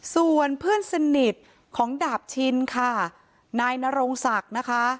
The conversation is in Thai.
ส่วนเพื่อนสนิทของดาบชินค่ะนายนรงศักดิ์นะคะ